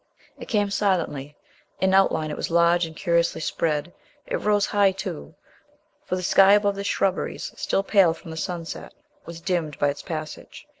It came silently. In outline it was large and curiously spread. It rose high, too, for the sky above the shrubberies, still pale gold from the sunset, was dimmed by its passage.